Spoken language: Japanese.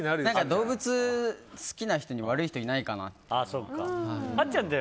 動物好きな人に悪い人はいないかなって。